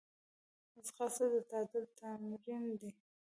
ځغاسته د تعادل تمرین دی